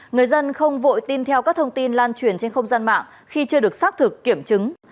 người dân không vội tin theo các thông tin lan truyền trên không gian mạng khi chưa được xác thực kiểm chứng